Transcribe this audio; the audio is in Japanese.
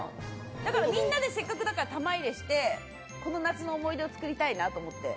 だからみんなでせっかくだから玉入れしてこの夏の思い出を作りたいなと思って。